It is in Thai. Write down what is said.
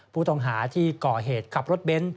ผู้ต้องหาที่ก่อเหตุขับรถเบนท์